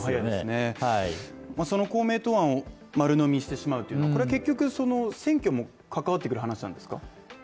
公明党案を丸呑みしてしまうというのは結局選挙も関わってくる話なんですか。